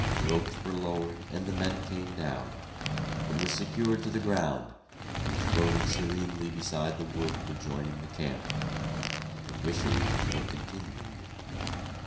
Ropes were lowered and the men came down. It was secured to the ground, and floated serenely beside the wood adjoining the camp.... The wishes were continued....